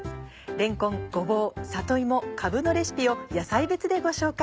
れんこんごぼう里芋かぶのレシピを野菜別でご紹介。